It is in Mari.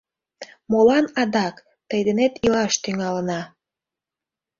— Молан адак... тый денет илаш тӱҥалына...